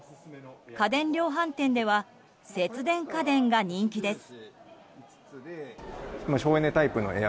家電量販店では節電家電が人気です。